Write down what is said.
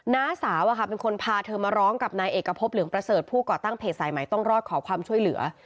น้าสาวเป็นคนพาเธอมาร้องกับนายเอกพบเหลืองประเสริฐผู้ก่อตั้งเพจสายใหม่ต้องรอดขอความช่วยเหลือ